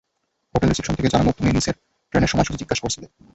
Hotel reception থেকে জানালো, তুমি নিসের ট্রেনের সময়সূচী জিজ্ঞাস করছিলে।